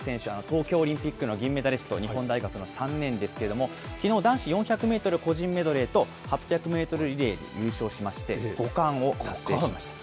東京オリンピックの銀メダリスト、日本大学の３年ですけれども、きのう、男子４００メートル個人メドレーと８００メートルリレーで優勝しまして、５冠を達成しました。